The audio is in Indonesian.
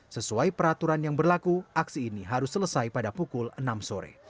sesuai peraturan yang berlaku aksi ini harus selesai pada pukul enam sore